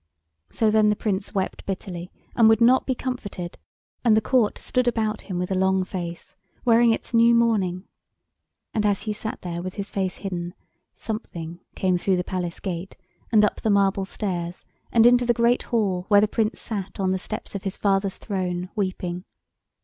So then the Prince wept bitterly, and would not be comforted, and the Court stood about him with a long face, wearing its new mourning. And as he sat there with his face hidden Something came through the Palace gate and up the marble stairs and into the great hall where the Prince sat on the steps of his father's throne weeping.